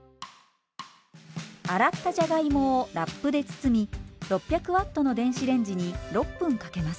洗ったじゃがいもをラップで包み６００Ｗの電子レンジに６分かけます。